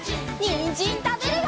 にんじんたべるよ！